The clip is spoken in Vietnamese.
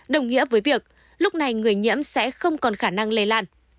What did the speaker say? đồng nghĩa với việc lúc này người nhiễm sẽ không còn khả năng lây lan